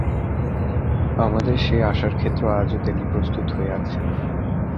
আমাদের সেই আশার ক্ষেত্র আজও তেমনি প্রস্তুত হয়ে আছে।